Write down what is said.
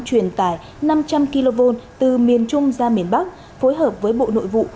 truyền tải năm trăm linh kv từ miền trung ra miền bắc phối hợp với bộ nội vụ